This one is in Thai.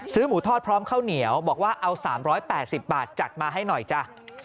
หมูทอดพร้อมข้าวเหนียวบอกว่าเอา๓๘๐บาทจัดมาให้หน่อยจ้ะ